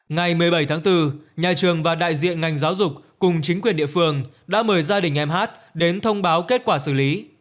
ngày một mươi bảy tháng bốn nhà trường và đại diện ngành giáo dục cùng chính quyền địa phương đã mời gia đình em hát đến thông báo kết quả xử lý